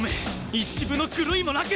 一分の狂いもなく！